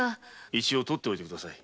一応取っておいて下さい。